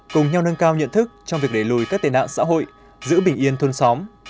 cùng nhau nâng cao nhận thức trong việc để lùi các tên ạng xã hội giữ bình yên thôn xóm